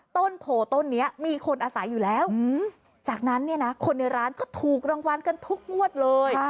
โผล่ต้นนี้มีคนอาศัยอยู่แล้วจากนั้นเนี่ยนะคนในร้านก็ถูกรางวัลกันทุกงวดเลย